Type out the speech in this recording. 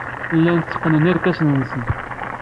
Llan tteqqnen irkasen-nsen.